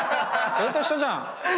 それと一緒じゃん。